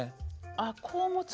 ああこう持つ。